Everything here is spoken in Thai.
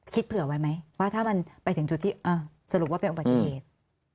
เผื่อไว้ไหมว่าถ้ามันไปถึงจุดที่สรุปว่าเป็นอุบัติเหตุ